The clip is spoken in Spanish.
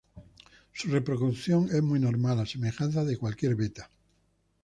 Su reproducción es muy normal, a semejanza de cualquier "Betta".